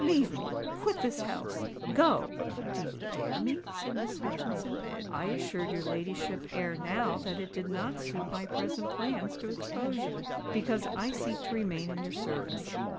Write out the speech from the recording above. "Leave me—quit this house—go——" "Do you dare me?" said Miss Hutchinson. "I assured your ladyship ere now that it did not suit my present plans to expose you; because I seek to remain in your service.